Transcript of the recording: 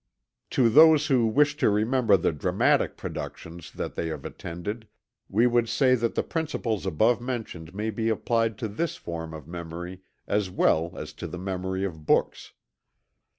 To those who wish to remember the dramatic productions that they have attended, we would say that the principles above mentioned may be applied to this form of memory as well as to the memory of books.